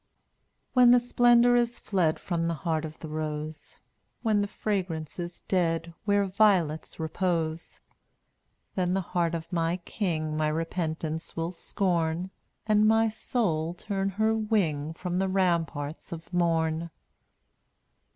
186 When the splendor is fled From the heart of the rose, When the fragrance is dead Where violets repose, Then the heart of my King My repentance will scorn, And my soul turn her wing From the ramparts of Morn.